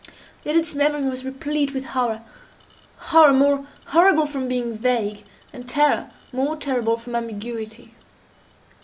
Yet its memory was replete with horror—horror more horrible from being vague, and terror more terrible from ambiguity.